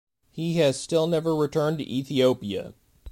He has still never returned to Ethiopia.